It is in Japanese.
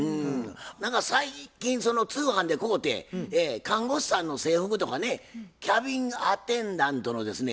何か最近その通販で買うて看護師さんの制服とかねキャビンアテンダントのですね